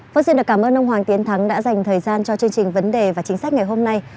phương diện được cảm ơn ông hoàng tiến thắng đã dành thời gian cho chương trình vấn đề và chính sách ngày hôm nay